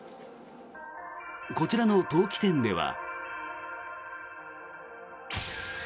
こちらの陶器店では。